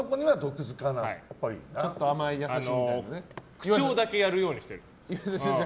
口調だけやるようにしてる。